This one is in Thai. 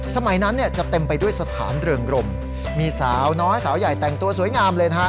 สมัยนั้นเนี่ยจะเต็มไปด้วยสถานเรืองรมมีสาวน้อยสาวใหญ่แต่งตัวสวยงามเลยนะฮะ